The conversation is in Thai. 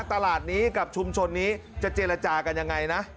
ตลาดนี้กับชุมชนนี้จะเจรจากันยังไงนะ